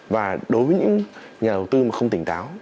và đối với những nhà đầu tư mà không tỉnh táo